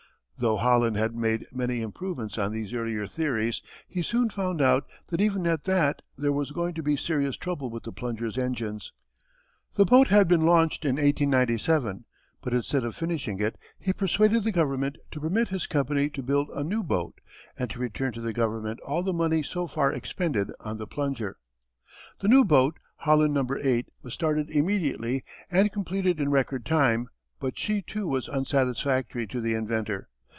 Though Holland had made many improvements on these earlier theories, he soon found out that even at that there was going to be serious trouble with the Plunger's engines. The boat had been launched in 1897; but instead of finishing it, he persuaded the government to permit his company to build a new boat, and to return to the government all the money so far expended on the Plunger. The new boat, Holland No. 8, was started immediately and completed in record time but she, too, was unsatisfactory to the inventor.